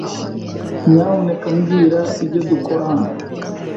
Nyamuneka mbwira ibyo dukora hano.